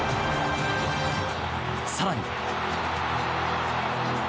更に。